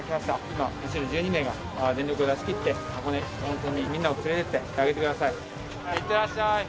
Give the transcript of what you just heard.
今走る１２名が全力を出し切って、箱根、本当にみんなを連れていってあげてください。